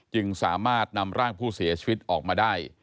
จึงสามารถนำร่างผู้เสียชีวิตออกมาได้